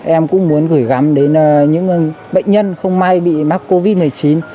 em cũng muốn gửi gắm đến những bệnh nhân không may bị mắc covid một mươi chín